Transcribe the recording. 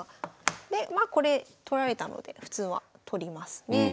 でまあこれ取られたので普通は取りますね。